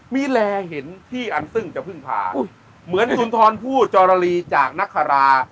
มีแลเห็นที่อันซึ่งจะพึ่งพาเหมือนสุนทรผู้จรลีจากนักคารา